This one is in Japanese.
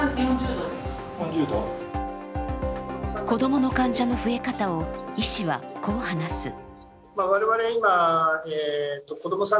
子供の患者の増え方を医師はこう話す。